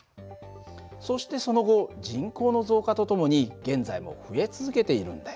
そしてその後人口の増加とともに現在も増え続けているんだよ。